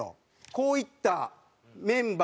こういったメンバーで。